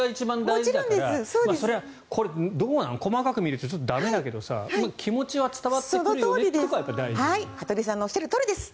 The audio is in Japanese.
それは、これはどうなの細かく見ると駄目だけどさ気持ちは伝わってくるというところが大事ですよね。